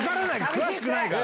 詳しくないから。